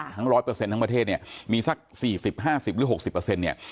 ๑๐๐ทั้งประเทศเนี่ยมีสัก๔๐๕๐หรือ๖๐เนี่ย